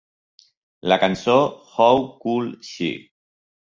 La cançó How Could She?